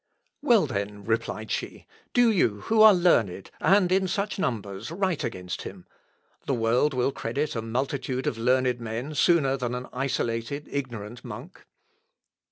"Well, then," replied she, "do you, who are learned, and in such numbers, write against him. The world will credit a multitude of learned men sooner than an isolated, ignorant monk."